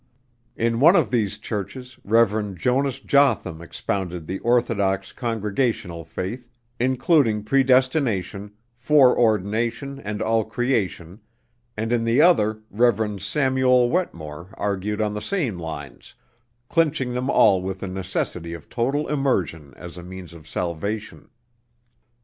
In one of these churches, Rev. Jonas Jotham expounded the orthodox Congregational faith, including predestination, foreordination, and all creation, and in the other Rev. Samuel Wetmore argued on the same lines, clinching them all with the necessity of total immersion as a means of salvation.